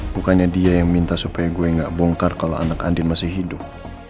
bukannya dia yang minta supaya gue gak bongkar kalau anak andin masih hidup